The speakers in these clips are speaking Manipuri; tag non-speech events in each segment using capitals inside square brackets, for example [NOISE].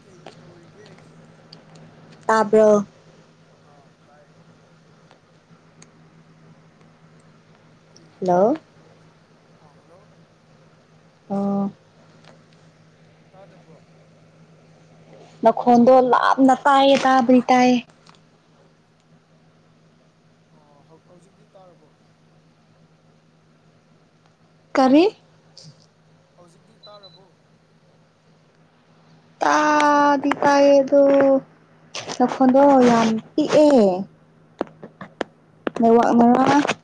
ꯀꯩꯇꯧꯔꯤꯒꯦ ꯇꯥꯕ꯭ꯔꯣ ꯑꯥ ꯇꯥꯏꯌꯦ ꯀꯩꯇꯧꯔꯤꯒꯦ ꯍꯧꯖꯤꯛ ꯍꯜꯂꯣ ꯑꯣ ꯇꯥꯗꯕ꯭ꯔꯣ ꯃꯈꯣꯟꯗꯣ ꯂꯥꯞꯅ ꯇꯥꯏꯌꯦ ꯇꯥꯕꯗꯤ ꯇꯥꯏꯌꯦ ꯍꯧꯖꯤꯛꯇꯤ ꯇꯥꯔꯕꯣ ꯀꯔꯤ ꯍꯧꯖꯤꯛꯇꯤ ꯇꯥꯔꯕꯣ ꯇꯥꯗꯤ ꯇꯥꯏꯗꯣ ꯅꯈꯣꯟꯗꯣ ꯌꯥꯝ ꯄꯤꯛꯑꯦ [UNINTELLIGIBLE]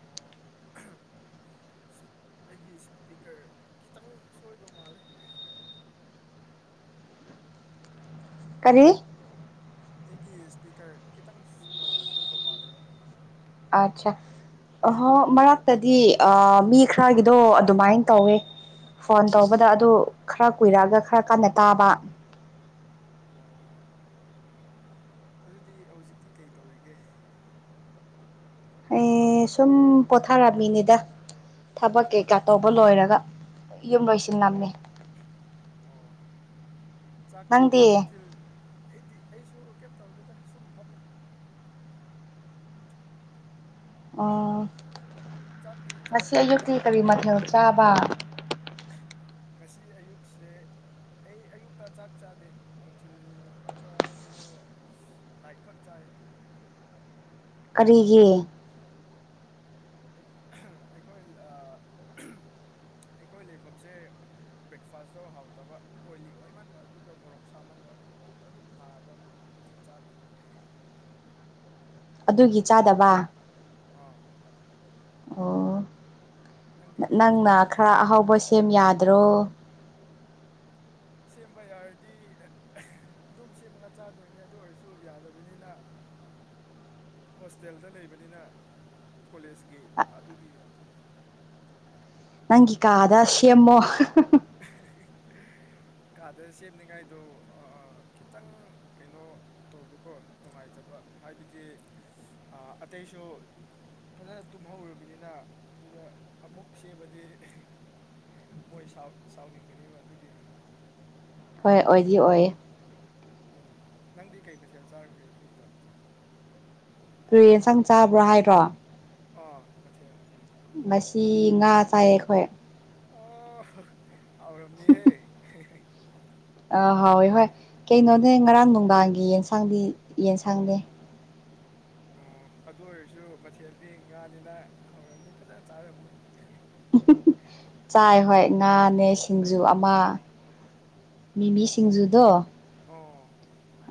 ꯑꯣ ꯑꯍꯝ ꯑꯩꯒꯤ ꯏꯁꯄꯤꯀꯔ ꯈꯤꯇꯪ ꯁꯣꯏꯕ ꯃꯥꯜꯂꯦ ꯀꯔꯤ ꯑꯩꯒꯤ ꯏꯁꯄꯤꯀꯔ ꯈꯤꯇꯪ ꯁꯣꯏꯕ ꯃꯥꯜꯂꯦꯕ ꯑꯆꯥ ꯑꯍ ꯃꯔꯛꯇꯗꯤ ꯃꯤ ꯈꯔꯒꯤꯗꯣ ꯑꯗꯨꯃꯥꯏꯅ ꯇꯧꯋꯦ ꯐꯣꯟ ꯇꯧꯕꯗ ꯑꯗꯨ ꯈꯔ ꯀꯨꯏꯔꯛꯑꯒ ꯈꯔ ꯀꯟꯅ ꯇꯥꯕ ꯑꯗꯨꯗꯤ ꯍꯧꯖꯤꯛꯇꯤ ꯀꯩꯇꯧꯔꯤꯒꯦ ꯑꯦ ꯁꯨꯝ ꯄꯣꯊꯥꯔꯝꯃꯤꯅꯤꯗ ꯊꯕꯛ ꯀꯩꯀꯥ ꯇꯧꯕ ꯂꯣꯏꯔꯒ ꯌꯨꯝ ꯂꯣꯏꯁꯤꯜꯂꯝꯃꯤ ꯆꯥꯛ ꯅꯨꯡꯊꯤꯜ ꯑꯩꯗꯤ ꯑꯩꯁꯨ ꯀꯩꯝ ꯇꯧꯗꯦꯗ ꯁꯨꯝ ꯐꯝꯃꯦ ꯑꯣ ꯉꯁꯤ ꯑꯌꯨꯛꯇꯤ ꯀꯔꯤ ꯃꯊꯦꯜ ꯆꯥꯕ ꯉꯁꯤ ꯑꯌꯨꯛꯁꯦ ꯑꯩ ꯑꯌꯨꯛꯇ ꯆꯥꯛ ꯆꯥꯗꯦ ꯅꯨꯡꯊꯤꯜꯒ ꯀꯩꯅꯣ ꯂꯥꯏ ꯈꯣꯠ ꯆꯥꯏ ꯀꯔꯤꯒꯤ ꯑꯩꯈꯣꯏ ꯑꯩꯈꯣꯏ ꯂꯩꯐꯝꯁꯦ ꯕ꯭ꯔꯦꯛꯐꯥꯁꯇꯣ ꯍꯥꯎꯇꯕ ꯑꯣꯏꯂꯤ ꯑꯣꯏꯃꯟꯕ ꯑꯗꯨꯒ ꯃꯣꯔꯣꯛ ꯁꯥꯃꯟꯕ ꯑꯗꯨꯒ ꯄꯨꯛ ꯑꯗꯨꯝ ꯅꯥꯕ ꯑꯗꯨꯒꯤ ꯆꯥꯗꯦ ꯑꯗꯨꯒꯤ ꯆꯥꯗꯕ ꯑꯥ ꯑꯣ ꯅꯪꯅ ꯈꯔ ꯑꯍꯥꯎꯕꯁꯤ ꯁꯦꯝ ꯌꯥꯗ꯭ꯔꯣ ꯁꯦꯝꯕ ꯌꯥꯔꯗꯤ ꯑꯗꯨꯝ ꯁꯦꯝꯃꯒ ꯆꯥꯗꯣꯏꯅꯦ ꯑꯗꯨ ꯑꯣꯏꯔꯁꯨ ꯌꯥꯗꯕꯅꯤꯅ ꯍꯣꯁꯇꯦꯜꯗ ꯂꯩꯕꯅꯤꯅ ꯀꯣꯂꯦꯖꯀꯤ ꯑꯗꯨꯒꯤ ꯅꯪꯒꯤ ꯀꯥꯗ ꯁꯦꯝꯃꯣ [UNINTELLIGIBLE] ꯀꯥꯗ ꯁꯦꯝꯅꯤꯡꯉꯥꯏꯗꯣ ꯈꯤꯇꯪ ꯀꯩꯅꯣ ꯇꯧꯕꯀꯣ ꯅꯨꯡꯉꯥꯏꯇꯕ ꯍꯥꯏꯕꯗꯤ ꯑ ꯑꯇꯩꯁꯨ ꯐꯖꯅ ꯇꯨꯝꯍꯧꯔꯕꯅꯤꯅ ꯑꯗꯨꯗ ꯑꯃꯨꯛ ꯁꯦꯝꯕꯗꯤ ꯃꯣꯏ ꯁꯥꯎ ꯁꯥꯎꯅꯤꯡꯒꯅꯦꯕ ꯑꯗꯨꯒꯤ ꯍꯣꯏ ꯑꯣꯏꯗꯤ ꯑꯣꯏꯌꯦ ꯎꯝ ꯅꯪꯗꯤ ꯀꯩ ꯃꯊꯦꯜ ꯆꯥꯔꯝꯒꯦ ꯑꯌꯨꯛꯇ ꯀ꯭ꯔꯤ ꯌꯦꯟꯁꯥꯡ ꯆꯥꯕ꯭ꯔꯣ ꯍꯥꯏꯔꯣ꯫ ꯑ ꯃꯊꯦꯜ ꯎꯝ ꯃꯁꯤ ꯉꯥ ꯆꯥꯏ ꯑꯩꯈꯣꯏ ꯑꯣ ꯍꯥꯎꯔꯝꯅꯤꯍꯦ ꯑ ꯍꯥꯎꯋꯦ ꯍꯣꯏ ꯀꯩꯅꯣꯅꯦ ꯉꯔꯥꯡ ꯅꯨꯡꯗꯥꯡꯒꯤ ꯌꯦꯟꯁꯥꯡꯗꯤ ꯌꯦꯟꯁꯥꯡꯅꯦ꯫ ꯑꯣ ꯑꯗꯨ ꯑꯣꯏꯔꯁꯨ ꯃꯊꯦꯜꯗꯤ ꯉꯥꯅꯤꯅ ꯍꯧꯔꯝꯅꯤ ꯐꯖꯅ ꯆꯥꯔꯝꯅꯤ꯫ ꯆꯥꯏ ꯍꯣꯏ ꯉꯥꯅꯦ ꯁꯤꯡꯖꯨ ꯑꯃ ꯃꯤꯃꯤ ꯁꯤꯡꯖꯨꯗꯣ ꯑꯣ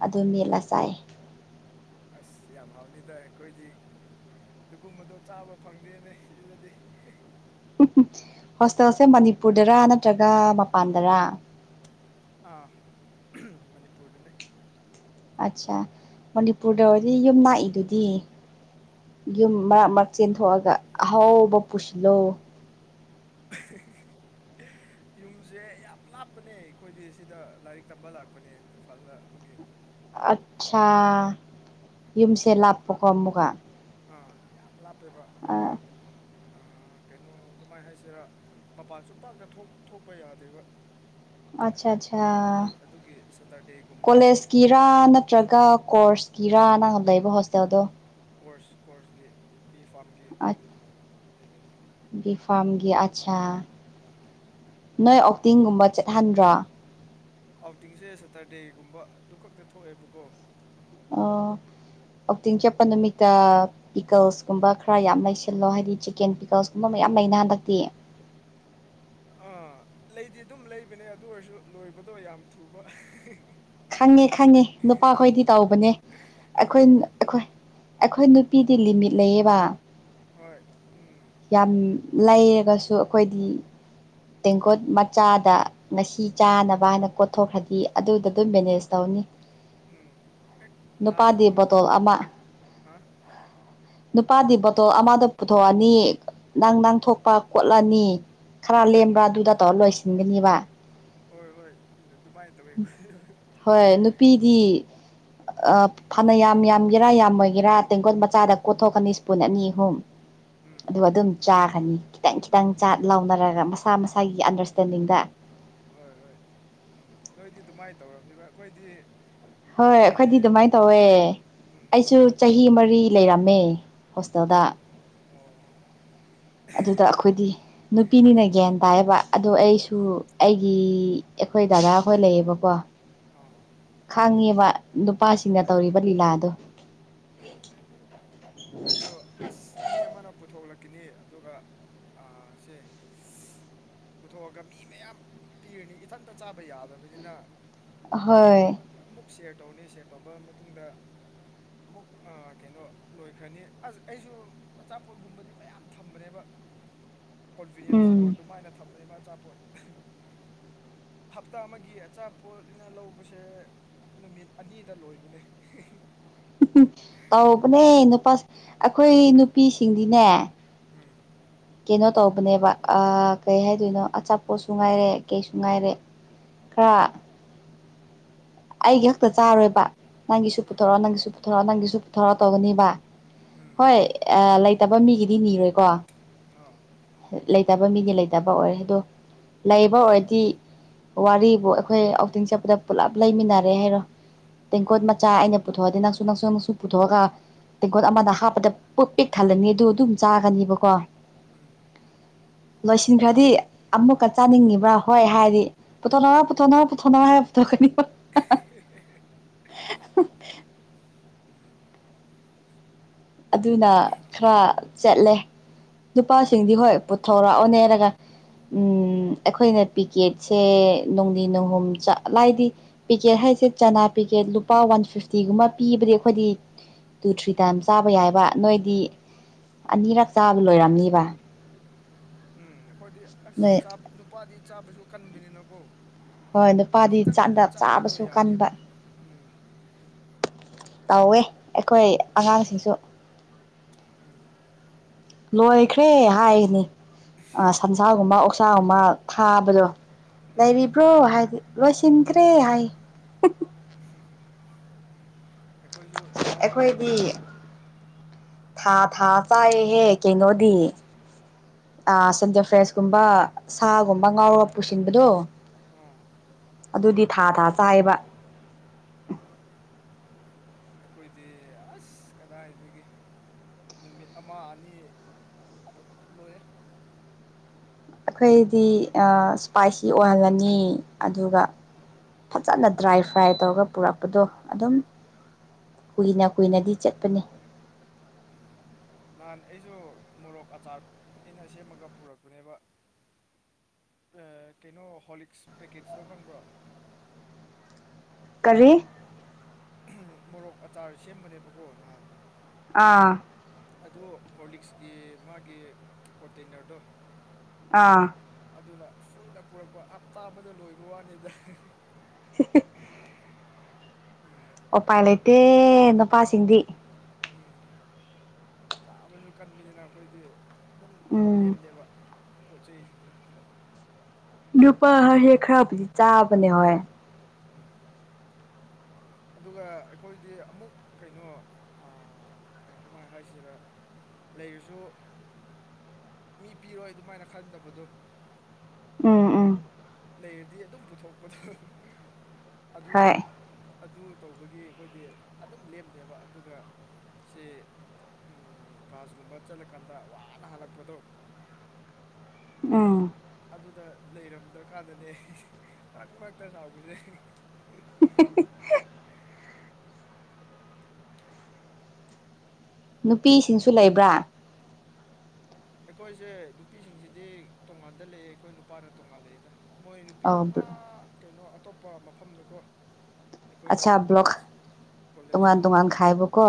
ꯑꯗꯨ ꯃꯦꯠꯂ ꯆꯥꯏ ꯑꯁ ꯌꯥꯝ ꯍꯥꯎꯅꯤꯗ ꯑꯩꯈꯣꯏꯗꯤ ꯑꯗꯨꯒꯨꯝꯕꯗꯣ ꯆꯥꯕ ꯐꯪꯗꯦꯅꯦ ꯁꯤꯗꯗꯤ ꯍꯣꯁꯇꯦꯜꯁꯦ ꯃꯅꯤꯄꯨꯔꯗꯔ ꯅꯠꯇ꯭ꯔꯒ ꯃꯄꯥꯟꯗꯔꯥ? ꯑꯥ ꯃꯅꯤꯄꯨꯔꯗꯅꯦ ꯑꯠꯆꯥ ꯃꯅꯤꯄꯨꯔꯗ ꯑꯣꯏꯔꯗꯤ ꯌꯨꯝ ꯅꯛꯏꯗꯨꯗꯤ꯫ ꯌꯨꯝ ꯃꯔꯛ ꯃꯔꯛ ꯆꯦꯟꯊꯣꯛꯑꯒ ꯑꯍꯥꯎꯕ ꯄꯨꯁꯤꯜꯂꯣ꯫ [UNINTELLIGIBLE] ꯌꯨꯝꯁꯦ ꯌꯥꯝ ꯂꯥꯞꯄꯅꯦ ꯑꯩꯈꯣꯏꯗꯤ ꯁꯤꯗ ꯂꯥꯏꯔꯤꯛ ꯇꯝꯕ ꯂꯥꯛꯄꯅꯦ ꯏꯝꯐꯥꯜꯗ ꯑꯗꯨꯒꯤ ꯑꯠꯆꯥꯥ ꯌꯨꯝꯁꯦ ꯂꯥꯞꯄꯀꯣ ꯑꯃꯨꯀ ꯑꯥ ꯌꯥꯝ ꯂꯥꯞꯄꯦꯕ ꯑꯗꯨꯒ ꯑ ꯀꯩꯅꯣ ꯀꯃꯥꯏ ꯍꯥꯏꯁꯤꯔꯥ ꯃꯄꯥꯟꯁꯨ ꯄꯥꯛꯇ ꯊꯣꯛ ꯊꯣꯛꯄ ꯌꯥꯗꯦꯕ꯫ ꯑꯗꯨ ꯑꯗꯨꯒꯤ ꯁꯇꯔꯗꯦꯒꯨꯝꯕ ꯀꯤꯔꯥ ꯅꯠꯇ꯭ꯔꯒ ꯀꯣꯔꯁ ꯀꯤꯔꯥ ꯅꯪ ꯂꯩꯕ ꯍꯣꯁꯇꯦꯜꯗꯣ ꯀꯣꯔꯁ ꯀꯣꯔꯁꯒꯤ ꯕꯤ ꯐꯥꯝꯒꯤ ꯂꯩ ꯂꯩꯕꯅꯤ꯫ ꯒꯤ ꯐꯥꯔꯝꯒꯤ ꯑꯆꯥ ꯎꯝ ꯅꯣꯏ ꯑꯥꯎꯇꯤꯡꯒꯨꯝꯕ ꯆꯠꯍꯟꯗ꯭ꯔꯣ? ꯑꯥꯎꯇꯤꯡꯁꯦ ꯁꯇꯔꯗꯦꯒꯨꯝꯕ ꯑꯗꯨ ꯈꯛꯇ ꯊꯣꯛꯑꯦꯕꯀꯣ ꯑꯣ ꯑꯥꯎꯇꯤꯡ ꯆꯠꯄ ꯅꯨꯃꯤꯠꯇ ꯄꯤꯀꯜꯁꯀꯨꯝꯕ ꯈꯔ ꯌꯥꯝ ꯂꯩꯁꯤꯜꯂꯣ ꯍꯥꯏꯗꯤ ꯆꯤꯛꯀꯦꯟ ꯄꯤꯀꯜꯁꯀꯨꯝꯕ ꯃꯌꯥꯝ ꯂꯩꯅ ꯍꯟꯗꯛꯇꯤ ꯑꯥ ꯂꯩꯗꯤ ꯑꯗꯨꯝ ꯂꯩꯕꯅꯦ ꯑꯗꯨ ꯑꯣꯏꯔꯁꯨ ꯂꯣꯏꯕꯗꯣ ꯌꯥꯝ ꯊꯨꯕ꯫ ꯈꯪꯉꯦ ꯈꯪꯉꯦ ꯅꯨꯄꯥꯈꯣꯏꯗꯤ ꯇꯧꯕꯅꯦ ꯑꯩꯈꯣꯏ ꯑꯩꯈꯣꯏ ꯑꯩꯈꯣꯏ ꯅꯨꯄꯤꯗꯤ ꯂꯤꯃꯤꯠ ꯂꯩꯌꯦꯕ ꯍꯣꯏ ꯎꯝ ꯌꯥꯝ ꯂꯩꯔꯒꯁꯨ ꯑꯩꯈꯣꯏꯗꯤ ꯇꯦꯡꯀꯣꯠ ꯃꯆꯥꯗ ꯉꯁꯤ ꯆꯥꯅꯕ ꯍꯥꯏꯅ ꯀꯣꯠꯊꯣꯛꯈ꯭ꯔꯗꯤ ꯑꯗꯨꯗ ꯗꯨꯝ ꯃꯦꯅꯦꯖ ꯇꯧꯅꯤ ꯎꯝ ꯑꯦꯛ ꯅꯍꯥꯟꯁꯨ ꯍꯥ ꯅꯨꯄꯥꯗꯤ ꯕꯣꯇꯣꯜ ꯑꯃꯗ ꯄꯨꯊꯣꯛꯑꯅꯤ ꯅꯪ ꯅꯪ ꯊꯣꯛꯄ ꯈꯣꯠꯂꯅꯤ ꯈꯔ ꯂꯦꯝꯕ꯭ꯔꯥ ꯑꯗꯨꯗ ꯇꯧꯔ ꯂꯣꯏꯁꯤꯟꯒꯅꯤꯕ ꯍꯣꯏ ꯍꯣꯏ [UNINTELLIGIBLE] ꯗꯨꯕꯥꯥꯏꯅ ꯇꯧꯋꯦ ꯍꯣꯏ ꯅꯨꯄꯤꯗꯤ ꯑ ꯐꯅ ꯌꯥꯝ ꯌꯥꯝꯒꯦꯔꯥ ꯌꯥꯝꯃꯣꯏꯒꯦꯔꯥ ꯇꯦꯡꯀꯣꯠ ꯃꯆꯥꯗ ꯀꯣꯠꯊꯣꯛꯀꯅꯤ ꯁ꯭ꯄꯨꯟ ꯑꯅꯤ ꯑꯍꯨꯝ ꯑꯗꯣꯒ ꯑꯗꯨꯝ ꯆꯥꯈ꯭ꯔꯅꯤ ꯇꯪ ꯈꯤꯇꯪ ꯈꯤꯇꯪ ꯆꯥꯛ ꯂꯧꯎꯅꯔꯒ ꯃꯁꯥ ꯃꯁꯥꯒꯤ ꯑꯟꯗꯔꯁ꯭ꯇꯦꯟꯗꯤꯡꯗ ꯍꯣꯏ ꯍꯣꯏ ꯎꯝ ꯅꯣꯏꯗꯤ ꯑꯗꯨꯃꯥꯏ ꯇꯧꯔꯝꯅꯤꯕ ꯑꯩꯈꯣꯏꯗꯤ ꯍꯣꯏ ꯑꯩꯈꯣꯏꯗꯤ ꯑꯗꯨꯃꯥꯏ ꯇꯧꯋꯦ ꯑꯩꯁꯨ ꯆꯍꯤ ꯃꯔꯤ ꯂꯩꯔꯝꯃꯦ ꯍꯣꯁꯇꯦꯜꯗ ꯑꯣ ꯑꯗꯨꯗ ꯑꯈꯣꯏꯗꯤ ꯅꯨꯄꯤꯅꯤꯅ ꯒ꯭ꯌꯥꯟ ꯇꯥꯏꯌꯦꯕ ꯑꯗꯣ ꯑꯩꯁꯨ ꯑꯩꯒꯤ ꯑꯩꯈꯣꯏ ꯗꯗꯥꯈꯣꯏ ꯂꯩꯌꯦꯕꯀꯣ ꯑꯥ ꯈꯥꯡꯉꯦꯕ ꯅꯨꯄꯥꯁꯤꯡꯅ ꯇꯧꯔꯤꯕ ꯂꯤꯂꯥꯗꯣ ꯎꯝ ꯈꯣꯏꯁꯨ ꯑꯁ ꯃꯤ ꯑꯃꯅ ꯄꯨꯊꯣꯛꯂꯛ ꯀꯅꯤ ꯑꯗꯨꯒ ꯑ ꯁꯦ ꯄꯨꯊꯣꯛꯑꯒ ꯃꯤ ꯃꯌꯥꯝ ꯄꯤꯒꯅꯤ ꯏꯊꯟꯇ ꯆꯥꯕ ꯌꯥꯗꯕꯅꯤꯅ ꯍꯣꯏ ꯑꯃꯨꯛ ꯁꯦꯌ꯭ꯔ ꯇꯧꯅꯤ ꯁꯦꯌ꯭ꯔ ꯇꯧꯕ ꯃꯇꯨꯡꯗ ꯑꯃꯨꯛ ꯑ ꯀꯩꯅꯣ ꯂꯣꯏꯈ꯭ꯔꯅꯤ ꯑꯁ ꯑꯩꯁꯨ ꯑꯆꯥꯄꯣꯠꯒꯨꯝꯕꯗꯤ ꯃꯌꯥꯝ ꯊꯝꯕꯅꯦꯕ ꯀꯣꯟꯚꯤꯅ꯭ꯌꯦꯟꯁ ꯁ꯭ꯇꯣꯔ ꯗꯨꯃꯥꯏꯅ ꯊꯝꯕꯅꯦꯕ ꯑꯆꯥꯄꯣꯠ ꯑꯍ ꯍꯥꯞꯇꯥ ꯑꯃꯒꯤ ꯑꯆꯥꯄꯣꯠ ꯑꯩꯏꯅ ꯂꯧꯕꯁꯦ ꯅꯨꯃꯤꯠ ꯑꯅꯤꯗ ꯂꯣꯏꯕꯅꯦ ꯇꯧꯕꯅꯦ ꯅꯨꯄꯥ ꯑꯩꯈꯣꯏ ꯅꯨꯄꯤꯁꯤꯡꯗꯤꯅꯦ ꯎꯝ ꯀꯩꯅꯣ ꯇꯧꯕꯅꯦꯕ ꯑ ꯀꯩꯍꯥꯏꯗꯣꯏꯅꯣ ꯑꯆꯥꯄꯣꯠꯁꯨ ꯉꯥꯏꯔꯦ ꯀꯩꯁꯨ ꯉꯥꯏꯔꯦ ꯈ꯭ꯔꯥ ꯑꯩꯒꯤ ꯍꯛꯇ ꯆꯥꯔꯣꯏꯕ ꯅꯪꯒꯤꯁꯨ ꯄꯨꯊꯣꯔꯛꯑꯣ ꯅꯪꯒꯤꯁꯨ ꯄꯨꯊꯣꯔꯛꯑꯣ ꯅꯪꯒꯤꯁꯨ ꯄꯨꯊꯣꯔꯛꯑꯣ ꯇꯧꯒꯅꯤꯕ ꯍꯣꯏ ꯑ ꯂꯩꯇꯕ ꯃꯤꯒꯤꯗꯤ ꯅꯤꯔꯣꯏꯀꯣ ꯑꯣ ꯂꯩꯇꯕ ꯃꯤꯒꯤ ꯂꯩꯇꯕ ꯑꯣꯏꯔꯦ ꯑꯗꯣ ꯂꯩꯕ ꯑꯣꯏꯔꯗꯤ ꯋꯥꯔꯤꯕꯨ ꯑꯩꯈꯣꯏ ꯑꯥꯎꯇꯤꯡ ꯆꯠꯄꯗ ꯄꯨꯂꯞ ꯂꯩꯃꯤꯟꯅꯔꯦ ꯍꯥꯏꯔꯣ ꯇꯦꯡꯀꯣꯠ ꯃꯆꯥ ꯑꯩꯅ ꯄꯨꯊꯣꯛꯑꯗꯤ ꯅꯪꯁꯨ ꯅꯪꯁꯨ ꯅꯪꯁꯨ ꯄꯨꯊꯣꯛꯑꯒ ꯇꯦꯡꯀꯣꯠ ꯑꯃꯗ ꯍꯥꯞꯄꯗ ꯄꯨꯠ ꯄꯤꯛ ꯊꯜꯂꯅꯤ ꯑꯗꯨ ꯑꯗꯨꯝ ꯆꯥꯒꯅꯤꯕꯀꯣ [INAUDIBLE] ꯂꯣꯏꯁꯤꯟꯈ꯭ꯔꯗꯤ ꯑꯃꯨꯛꯀ ꯆꯥꯅꯤꯡꯉꯤꯕ꯭ꯔꯥ ꯍꯣꯏ ꯍꯥꯏꯗꯤ ꯄꯨꯊꯣꯛꯅꯔꯣ ꯄꯨꯊꯣꯛꯅꯔꯣ ꯄꯨꯊꯣꯛꯅꯔꯣ ꯍꯥꯏꯔ ꯄꯊꯣꯛ ꯀꯅꯤꯕ ꯍꯦ ꯍꯦ ꯍꯦ [INAUDIBLE] ꯑꯗꯨꯅ ꯈ꯭ꯔ ꯆꯠꯂꯦ ꯅꯨꯄꯥꯁꯤꯡꯗꯤ ꯍꯣꯏ ꯄꯨꯊꯣꯔꯛꯑꯣꯅꯦꯔꯒ ꯎꯝ ꯑꯩꯈꯣꯏꯅ ꯄꯤꯛꯀꯦꯠꯁꯦ ꯅꯨꯡꯗꯤ ꯅꯨꯡꯍꯨꯝ ꯆꯞꯂꯥꯏꯗꯤ ꯄꯤꯀꯦꯠ ꯍꯥꯏꯁꯦ ꯆꯅꯥ ꯄꯤꯀꯦꯠ ꯂꯨꯄꯥ ꯋꯥꯟ ꯐꯤꯐꯇꯤꯒꯨꯝꯕ ꯄꯤꯕꯗꯤ ꯑꯩꯈꯣꯏꯗꯤ ꯇꯨ ꯊ꯭ꯔꯤ ꯇꯥꯏꯝꯁ ꯆꯥꯕ ꯌꯥꯏꯕ ꯅꯣꯏꯗꯤ ꯑꯅꯤꯔꯛ ꯆꯥꯕ ꯂꯣꯏꯔꯝꯅꯤꯕ ꯎꯝ ꯑꯩꯈꯣꯏꯗꯤ ꯑꯁ ꯆꯥꯕ ꯅꯨꯄꯥꯗꯤ ꯆꯥꯕꯁꯨ ꯀꯟꯕꯅꯤꯅꯀꯣ ꯈꯤꯇꯪ ꯆꯥꯕꯗꯣ ꯌꯥꯗꯦꯕ ꯎꯝ ꯇꯧꯋꯦ ꯑꯩꯈꯣꯏ ꯑꯉꯥꯡꯁꯤꯡꯁꯨ ꯂꯣꯏꯈ꯭ꯔꯦ ꯍꯥꯏꯅꯤ ꯑ ꯁꯟꯁꯥꯒꯨꯝꯕ ꯑꯣꯛꯁꯥꯒꯨꯝꯕ ꯊꯥꯕꯗꯣ ꯂꯩꯔꯤꯕꯔꯣ ꯍꯥꯏꯗꯤ ꯂꯣꯏꯁꯤꯟꯈ꯭ꯔꯦ ꯍꯥꯏ ꯍ ꯍꯨꯝ ꯑꯩꯈꯣꯏꯗꯤ ꯊꯥ ꯊꯥ ꯆꯥꯏꯍꯦ ꯀꯩꯅꯣꯗꯤ ꯑ ꯁꯟꯗꯦ ꯐ꯭ꯔꯦꯁꯀꯨꯝꯕ ꯁꯥꯒꯨꯝꯕ ꯉꯥꯎꯔꯒ ꯄꯨꯁꯤꯟꯕꯗꯣ ꯎꯝ ꯑꯗꯨꯗꯤ ꯊꯥ ꯊꯥ ꯆꯥꯏꯕ ꯑꯩꯈꯣꯏꯗꯤ ꯑꯁ ꯀꯗꯥꯏꯗꯒꯤ ꯅꯨꯃꯤꯠ ꯑꯃ ꯑꯅꯤ ꯑꯗꯨꯝ ꯂꯣꯏꯌꯦ ꯑꯩꯈꯣꯏꯗꯤ ꯑ ꯏꯁꯄꯥꯏꯁꯤ ꯑꯣꯏꯍꯜꯂꯅꯤ ꯑꯗꯨꯒ ꯐꯖꯅ ꯗ꯭ꯔꯥꯏ ꯐ꯭ꯔꯥꯏ ꯇꯧꯔꯒ ꯄꯨꯔꯛꯄꯗꯣ ꯑꯗꯨꯝ ꯀꯨꯏꯅ ꯀꯨꯏꯅꯗꯤ ꯆꯠꯄꯅꯤ ꯅꯍꯥꯟ ꯑꯩꯁꯨ ꯃꯣꯔꯣꯛ ꯑꯆꯥꯔ ꯑꯩꯅ ꯁꯦꯝꯃꯒ ꯄꯨꯔꯛꯄꯅꯦꯕ ꯀꯩꯅꯣ ꯍꯣꯂꯤꯛꯁ ꯄꯦꯀꯦꯠꯁꯇꯣ ꯈꯪꯕ꯭ꯔꯣ ꯀꯔꯤ ꯃꯣꯔꯣꯛ ꯑꯆꯥꯔ ꯁꯦꯝꯕꯅꯦꯕꯀꯣ ꯅꯍꯥꯟ ꯑꯥ ꯑꯗꯣ ꯍꯣꯔꯂꯤꯛꯁꯀꯤ ꯃꯥꯒꯤ ꯀꯣꯟꯇꯦꯟꯅꯔꯗꯣ ꯑꯥ ꯑꯗꯨꯅ ꯐꯨꯜꯗ ꯄꯨꯔꯛꯄ ꯍꯞꯇꯥ ꯑꯃꯗ ꯂꯣꯏꯕ ꯋꯥꯅꯤꯗ ꯎꯄꯥꯏ ꯂꯩꯇꯦ ꯅꯨꯄꯥꯁꯤꯡꯗꯤ ꯎꯝ ꯆꯥꯕꯁꯨ ꯀꯟꯕꯅꯤꯅ ꯑꯈꯣꯏꯗꯤ ꯑꯗꯨꯝ ꯂꯦꯝꯗꯦꯕ ꯄꯣꯠ ꯆꯩꯁꯤꯗꯤ ꯅꯨꯄꯥ ꯍꯥꯏꯁꯦ ꯈꯔꯕꯨꯗꯤ ꯆꯥꯕꯅꯦ ꯍꯣꯏ ꯎꯝ ꯑꯗꯨꯒ ꯑꯩꯈꯣꯏꯗꯤ ꯑꯃꯨꯛ ꯀꯩꯅꯣ ꯑ ꯀꯃꯥꯏ ꯍꯥꯏꯁꯤꯔ ꯂꯩꯔꯁꯨ ꯃꯤ ꯄꯤꯔꯣꯏ ꯑꯗꯨꯃꯥꯏꯅ ꯈꯟꯗꯕꯗꯣ ꯎꯝ ꯎꯝ ꯂꯩꯔꯗꯤ ꯑꯗꯨꯝ ꯄꯨꯊꯣꯛꯄꯗ ꯑꯗꯨ ꯑꯗꯨ ꯇꯧꯕꯒꯤ ꯑꯈꯣꯏꯗꯤ ꯑꯗꯨꯝ ꯂꯦꯝꯗꯦꯕ ꯑꯗꯨꯒ ꯁꯤ ꯎꯝ ꯀꯥꯁꯒꯨꯝꯕ ꯆꯠꯂꯀꯥꯟꯗ ꯋꯥꯅ ꯍꯜꯂꯛꯄꯗꯣ ꯎꯝ ꯑꯗꯨꯗ ꯂꯩꯔꯝꯗ꯭ꯔꯀꯥꯟꯗꯅꯦ ꯃꯔꯛ ꯃꯔꯛꯇ ꯁꯥꯎꯕꯁꯦ ꯅꯨꯄꯤꯁꯤꯡꯁꯨ ꯂꯩꯕ꯭ꯔꯥ ꯑꯩꯈꯣꯏꯁꯦ ꯅꯨꯄꯤꯁꯤꯡꯁꯤꯗꯤ ꯇꯣꯉꯥꯟꯗ ꯂꯩꯌꯦ ꯑꯩꯈꯣꯏ ꯅꯨꯄꯥꯅ ꯇꯣꯉꯥꯟ ꯂꯩꯗ ꯃꯣꯏ ꯅꯨꯄꯤꯅ ꯑꯥ ꯀꯩꯅꯣ ꯑꯇꯣꯞꯄ ꯃꯐꯝꯗꯀꯣ ꯑꯩꯈꯣꯏꯅ ꯀꯣꯂꯦꯖ ꯀꯣꯂꯦꯖ ꯃꯅꯨꯡꯗ ꯂꯩꯕ ꯀꯣ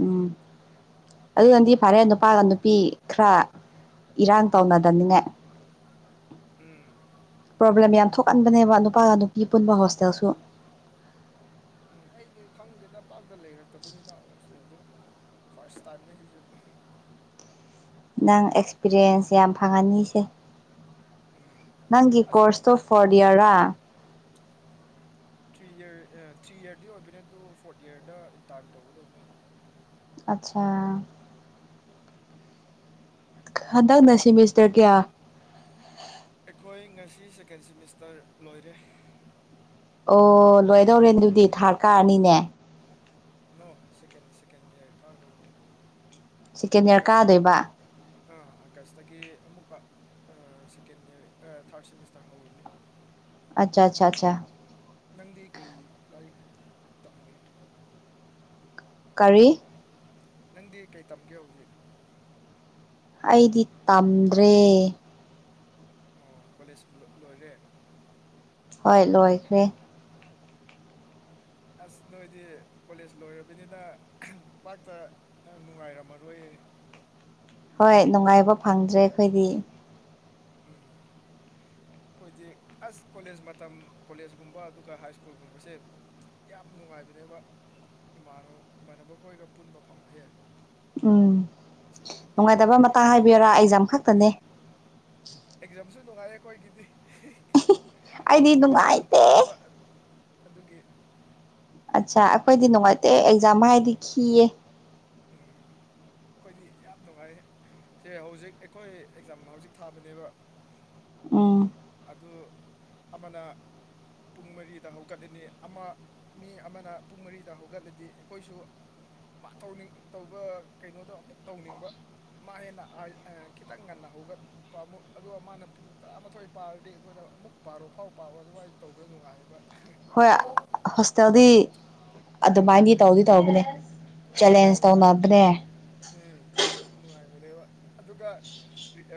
ꯎꯝ ꯑꯗꯨꯅꯗꯤ ꯐꯔꯦ ꯅꯨꯄꯥꯒ ꯅꯨꯄꯤ ꯈꯔ ꯏꯔꯥꯡ ꯇꯧꯅꯗꯅꯤꯅꯦ ꯎꯝ ꯄ꯭ꯔꯣꯕ꯭ꯂꯦꯝ ꯌꯥꯝ ꯊꯣꯛꯍꯟꯕꯅꯦꯕ ꯅꯨꯄꯥꯒ ꯅꯨꯄꯤ ꯄꯨꯟꯕ ꯍꯣꯁꯇꯦꯜꯁꯨ ꯎꯝ ꯑꯩꯗꯤ ꯈꯪꯗꯦꯗ ꯄꯥꯛꯇ ꯂꯩꯔꯛꯇꯕꯅꯤꯗ ꯍꯣꯁꯇꯦꯜꯗꯤ ꯐꯥꯔꯁ ꯇꯥꯃꯢꯅꯦ ꯑꯩꯖꯨ ꯅꯪ ꯑꯦꯛꯁꯄꯤꯔꯤꯌꯦꯟꯁ ꯌꯥꯝ ꯐꯪꯉꯅꯤꯁꯦ ꯅꯪꯒꯤ ꯀꯣꯔꯁꯇꯣ ꯐꯣꯔꯗ ꯏꯌꯥꯔ ꯔ [UNINTELLIGIBLE] ꯊ꯭ꯔꯤ ꯏꯔ ꯑ ꯊ꯭ꯔꯤ ꯏꯔꯗꯤ ꯑꯣꯢꯕꯅꯦ ꯑꯗꯨ ꯐꯣꯔꯠ ꯏꯌꯔꯗ ꯏꯟꯇꯥꯔꯟ ꯇꯧꯒꯗꯧꯕꯅꯦ ꯑꯆꯥ ꯍꯟꯗꯛꯅ ꯁꯤꯃꯤꯁꯇꯔ ꯀꯤꯌꯥ ꯑꯩꯈꯣꯢ ꯉꯁꯤ ꯁꯦꯀꯦꯟ ꯁꯤꯃꯤꯁꯇꯔ ꯂꯣꯢꯔꯦ ꯑꯣ ꯂꯣꯢꯗꯧꯔꯦ ꯑꯗꯨꯗꯤ ꯊꯥꯔ ꯀꯥꯔꯅꯤꯅꯦ ꯅꯣ ꯁꯦꯀꯦꯟ ꯁꯦꯀꯦꯟ ꯢꯌꯥꯔ ꯀꯥꯔꯒꯗꯧꯕ ꯁꯦꯀꯦꯟ ꯏꯌꯦꯔ ꯀꯥꯗꯣꯢꯕ ꯑꯥ ꯑꯥꯒꯁꯇꯒꯤ ꯑꯃꯨꯛꯀ ꯑ ꯁꯦꯀꯦꯟꯗ ꯏꯌꯥꯔ ꯑ ꯊꯥꯔꯠ ꯁꯦꯃꯤꯁꯇꯔ ꯍꯧꯔꯅꯤ ꯑꯆꯥ ꯆꯥ ꯆꯥ ꯅꯪꯗꯤ ꯀꯩ ꯂꯥꯢꯔꯤꯛ ꯇꯝꯒꯦ ꯀꯔꯤ ꯅꯪꯗꯤ ꯀꯩ ꯇꯝꯒꯦ ꯍꯧꯖꯤꯛ ꯑꯩꯗꯤ ꯇꯥꯝꯗ꯭ꯔꯦ ꯑꯣ ꯀꯣꯂꯦꯖ ꯂꯣ ꯂꯣꯢꯔꯦ ꯍꯣꯢ ꯂꯣꯢꯈ꯭ꯔꯦ ꯑꯁ ꯅꯣꯢꯗꯤ ꯀꯣꯂꯦꯖ ꯂꯣꯢꯔꯕꯅꯤꯅ ꯄꯥꯛꯇ ꯅꯪ ꯅꯨꯡꯉꯥꯢꯔꯝꯃꯔꯣꯢꯌꯦ ꯍꯣꯢ ꯅꯨꯡꯉꯥꯢꯕ ꯐꯪꯗ꯭ꯔꯦ ꯑꯩꯈꯣꯢꯗꯤ ꯎꯝ ꯈꯣꯢꯗꯤ ꯑꯁ ꯀꯣꯂꯦꯖ ꯃꯇꯝ ꯀꯣꯂꯦꯖꯒꯨꯝꯕ ꯑꯗꯨꯒ ꯍꯥꯢꯁꯀꯨꯜꯒꯨꯝꯕꯁꯦ ꯌꯥꯝ ꯅꯨꯡꯉꯥꯢꯕꯅꯦꯕ ꯏꯃꯥꯟꯅꯕ ꯏꯃꯥꯟꯅꯕ ꯈꯣꯢꯒ ꯄꯨꯟꯕ ꯐꯪꯕꯖꯦ ꯎꯝ ꯅꯨꯡꯉꯥꯢꯇꯕ ꯃꯇꯥꯡ ꯍꯥꯢꯕꯤꯌꯔꯥ ꯑꯩꯖꯌꯥꯝ ꯐꯠꯇꯝꯅꯦ ꯑꯦꯛꯖꯥꯝꯖꯨ ꯅꯨꯡꯉꯥꯢꯔꯦ ꯑꯩꯈꯣꯢꯒꯤꯗꯤ ꯀꯣꯝꯄꯤꯇꯤꯁꯟ ꯇꯧꯅꯩꯕ ꯑꯗꯨꯒꯤ ꯑꯠꯆꯥ ꯑꯩꯈꯣꯢꯗꯤ ꯅꯨꯡꯉꯥꯢꯇꯦ ꯑꯦꯛꯖꯥꯝ ꯍꯥꯢꯗꯤ ꯈꯤꯌꯦ ꯎꯝ ꯈꯣꯢꯗꯤ ꯌꯥꯝ ꯅꯨꯡꯉꯥꯢꯍꯦ ꯁꯦ ꯍꯧꯖꯤꯛ ꯑꯩꯈꯣꯢ ꯑꯦꯛꯖꯥꯝ ꯍꯧꯖꯤꯛ ꯊꯥꯕꯅꯦꯕ ꯎꯝ ꯑꯗꯨ ꯑꯃꯅ ꯄꯨꯡ ꯃꯔꯤꯗ ꯍꯧꯒꯠꯂꯤꯅꯤ ꯑꯃ ꯃꯤ ꯑꯃꯅ ꯄꯨꯡ ꯃꯔꯤꯗ ꯍꯧꯒꯠꯂꯗꯤ ꯑꯩꯈꯣꯢꯁꯨ ꯇꯧꯅꯤꯡ ꯇꯧꯕ ꯀꯩꯅꯣꯗꯣ ꯑꯃꯨꯛ ꯇꯧꯅꯤꯡꯕ ꯃꯥ ꯍꯦꯟꯅ ꯑꯥꯢ ꯑ ꯈꯤꯇꯪ ꯉꯟꯅ ꯍꯧꯒꯠ ꯨꯄꯥꯝꯃꯣ ꯑꯗꯨꯒ ꯃꯥꯅ ꯄꯨꯡ ꯇꯔꯥꯃꯥꯊꯣꯢ ꯄꯥꯔꯗꯤ ꯑꯩꯈꯣꯢꯅ ꯑꯃꯨꯛ ꯄꯥꯔꯣ ꯐꯥꯎ ꯄꯥꯕ ꯑꯗꯨꯃꯥꯢ ꯇꯧꯕꯗ ꯅꯨꯡꯉꯥꯢꯌꯦꯕ ꯍꯣꯢ ꯍꯣꯁꯇꯦꯜꯗꯤ ꯑꯗꯨꯃꯥꯢꯅꯗꯤ ꯇꯧꯗꯤ ꯇꯧꯕꯅꯦ ꯎꯝ ꯅꯨꯡꯉꯥꯢ ꯎꯝ ꯅꯨꯡꯉꯥꯢꯕꯅꯦꯕ ꯑꯗꯨꯒ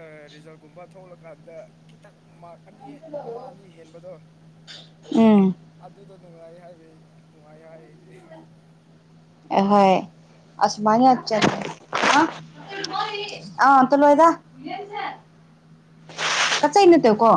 ꯑ ꯔꯤꯖꯜꯀꯨꯝꯕ ꯊꯣꯛꯂꯀꯥꯟꯗ ꯈꯤꯇꯪ ꯃꯥꯔꯛ ꯑꯅꯤ ꯑꯃ ꯑꯅꯤ ꯍꯦꯟꯕꯗꯣ ꯑꯗꯨꯗ ꯅꯨꯡꯉꯥꯢꯌꯦ ꯍꯥꯢꯕꯩ ꯅꯨꯡꯉꯥꯢ ꯍꯥꯢꯌꯦ ꯑꯩꯗꯤ ꯑꯍꯣꯢ ꯑꯁꯨꯃꯥꯢꯅ ꯆꯟ ꯑ ꯑꯥ ꯇꯂꯣꯢꯗ ꯀꯠꯆꯩꯅꯇꯨꯀꯣ